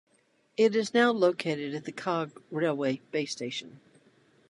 It is now located at the Cog Railway Base Station.